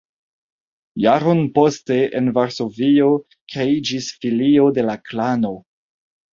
Jaron poste en Varsovio kreiĝis filio de la Klano.